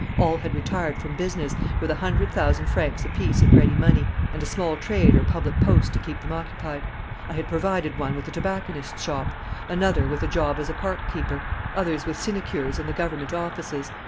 All had retired from business, with a hundred thousand francs apiece in ready money and a small trade or public post to keep them occupied. I had provided one with a tobacconist's shop, another with a job as a park keeper, others with sinecures in the government offices.